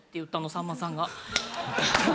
さんまさんが。